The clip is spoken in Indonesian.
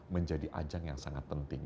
menjadi ajang yang sangat penting